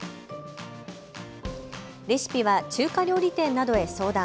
レシピは中華料理店などへ相談。